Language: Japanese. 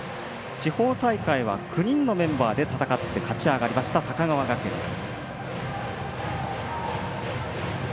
地方大会は９人のメンバーで戦って勝ち上がった高川学園です。